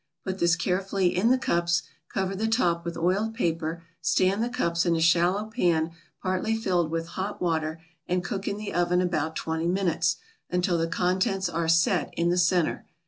Put this carefully in the cups, cover the top with oiled paper, stand the cups in a shallow pan partly filled with hot water, and cook in the oven about twenty minutes, until the contents are "set" in the centre.